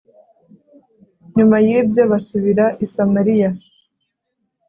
Nyuma y ‘ibyo basubira i Samariya